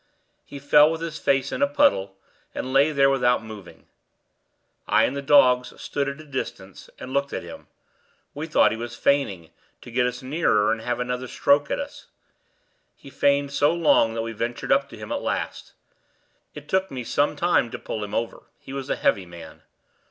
He fell with his face in a puddle, and lay there without moving. I and the dogs stood at a distance, and looked at him: we thought he was feigning, to get us near and have another stroke at us. He feigned so long that we ventured up to him at last. It took me some time to pull him over; he was a heavy man.